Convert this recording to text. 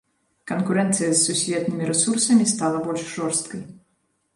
Канкурэнцыя з сусветнымі рэсурсамі стала больш жорсткай.